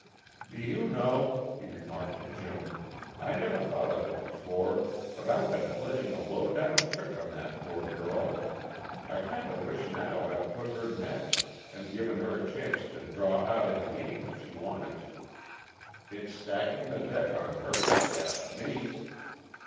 "Do you know," he remarked to Jim, "I never thought of it before, but I've been playing a low down trick on that poor girl. I kinda wish now I'd put her next, and given her a chance to draw outa the game if she wanted to. It's stacking the deck on her, if you ask me!"